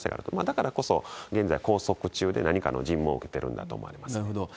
だからこそ、現在、拘束中で、何かの尋問を受けてるんだと思いまなるほど。